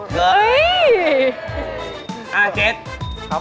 เอ่อเมื่อกี้